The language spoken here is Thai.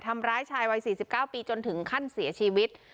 ทำร้ายชายวัย๔๙ปีจนถึงขั้นเสียชีวิต